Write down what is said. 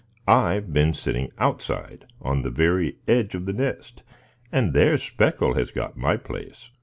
I've been sitting outside, on the very edge of the nest, and there's Speckle has got my place."